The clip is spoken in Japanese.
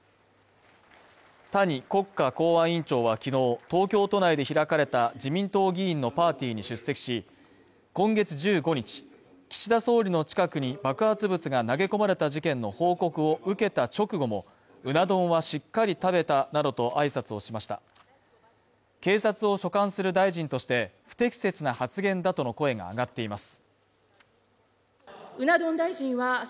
谷国家公安委員長は昨日東京都内で開かれた自民党議員のパーティーに出席し、今月１５日、岸田総理の近くに爆発物が投げ込まれた事件の報告を受けた直後も、うな丼はしっかり食べたなどと挨拶をしました警察を所管する大臣として不適切な発言だとの声が上がっています。